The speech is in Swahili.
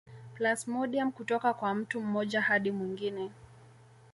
Plasmodiam kutoka kwa mtu mmoja hadi mwingine